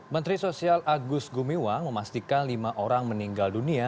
menteri sosial agus gumiwang memastikan lima orang meninggal dunia